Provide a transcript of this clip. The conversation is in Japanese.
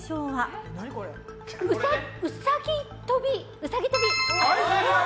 うさぎ跳び。